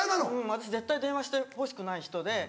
私絶対電話してほしくない人で。